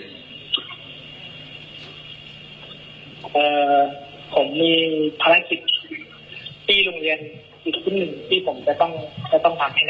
ผมมีภารกิจที่โรงเรียนอีกชุดหนึ่งที่ผมจะต้องพักให้นักเรียน